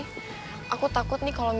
bankid learntang agar lebih